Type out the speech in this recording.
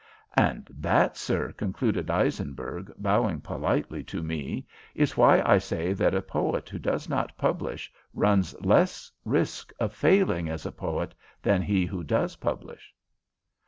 "And that, sir," concluded Eisenberg, bowing politely to me, "is why I say that a poet who does not publish runs less risk of failing as a poet than he who does publish."